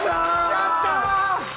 やったー！